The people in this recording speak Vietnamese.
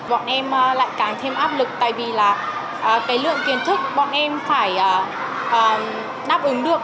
bọn em lại càng thêm áp lực tại vì là cái lượng kiến thức bọn em phải đáp ứng được